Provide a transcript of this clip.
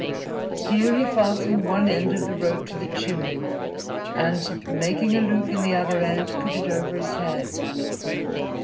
Here he fastened one end of the rope to the chimney, and, making a loop in the other end, put it over his head.